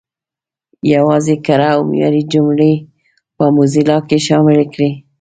یوازې کره او معیاري جملې په موزیلا کې شامل کړئ.